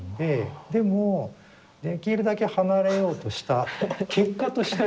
でもできるだけ離れようとした結果として。